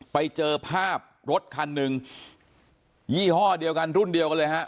ไปเจอภาพรถคันหนึ่งยี่ห้อเดียวกันรุ่นเดียวกันเลยฮะ